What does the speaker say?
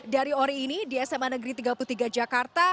dari ori ini di sma negeri tiga puluh tiga jakarta